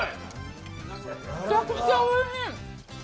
めちゃくちゃおいしい！